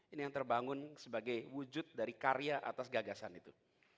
ini yang terbangun sebagai wujud dari karya atas gagasan itu